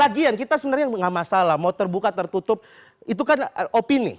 kajian kita sebenarnya nggak masalah mau terbuka tertutup itu kan opini